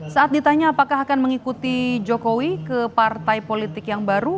saat ditanya apakah akan mengikuti jokowi ke partai politik yang baru